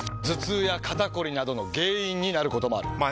頭痛や肩こりなどの原因になることもある。